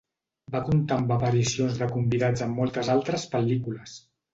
Va comptar amb aparicions de convidats en moltes altres pel·lícules.